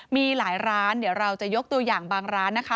มีหลายร้านเดี๋ยวเราจะยกตัวอย่างบางร้านนะคะ